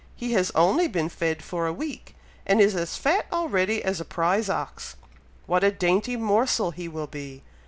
he has only been fed for a week, and is as fat already as a prize ox! What a dainty morsel he will be!